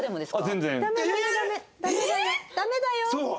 ダメだよ！